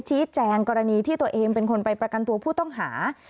ชี้แจงกรณีที่ตัวเองเป็นคนไปประกันตัวผู้ต้องหา